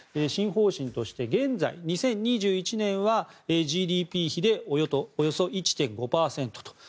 新方針として現在２０２１年はＧＤＰ比でおよそ１．５％と。